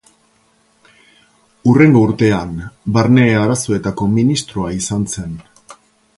Hurrengo urtean Barne Arazoetako ministroa izan zen.